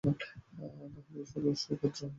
তাহা হইলে সুভদ্রাহরণ হইল কি করিয়া!